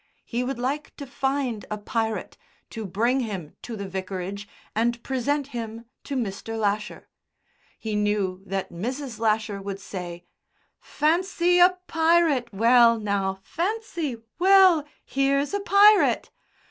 He would like to find a pirate, to bring him to the vicarage, and present him to Mr. Lasher. He knew that Mrs. Lasher would say, "Fancy, a pirate. Well! now, fancy! Well, here's a pirate!"